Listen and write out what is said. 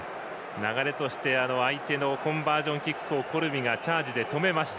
流れとして相手のコンバージョンキックをコルビがチャージで止めました。